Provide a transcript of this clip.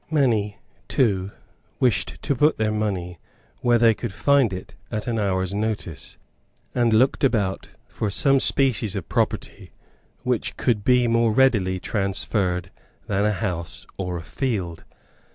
Many too wished to put their money where they could find it at an hour's notice, and looked about for some species of property which could be more readily transferred than a house or a field.